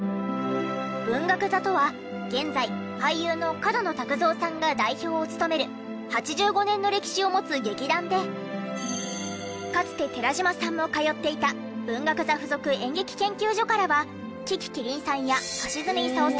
文学座とは現在俳優の角野卓造さんが代表を務める８５年の歴史を持つ劇団でかつて寺島さんも通っていた文学座附属演劇研究所からは樹木希林さんや橋爪功さん